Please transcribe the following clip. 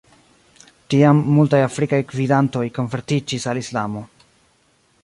Tiam multaj afrikaj gvidantoj konvertiĝis al islamo.